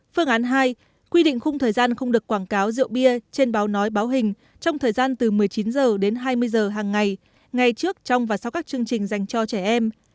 phương án hai quy định khung thời gian không được quảng cáo rượu bia trên báo nói báo hình trong thời gian từ một mươi chín h đến hai mươi h hàng ngày ngày trước trong và sau các chương trình dành cho trẻ em